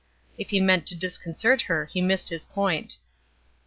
If he meant to disconcert her, he missed his point.